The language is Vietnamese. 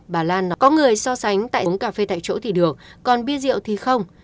bà lan nói có người so sánh uống cà phê tại chỗ thì được còn bia rượu thì không